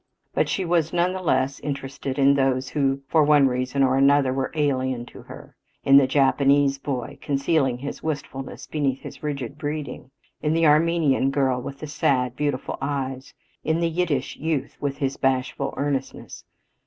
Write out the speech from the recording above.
But she was none the less interested in those who for one reason or another were alien to her in the Japanese boy, concealing his wistfulness beneath his rigid breeding; in the Armenian girl with the sad, beautiful eyes; in the Yiddish youth with his bashful earnestness.